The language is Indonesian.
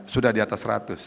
sudah di atas seratus